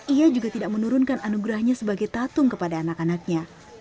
ia juga tidak menurunkan anugerahnya sebagai tatung kepada anak anaknya